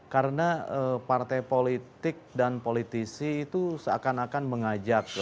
karena partai politik dan politisi itu seakan akan mengajak